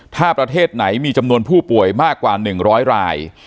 ถ้าประเทศไหนมีจำนวนผู้ป่วยมากกว่า๑๐๐ราย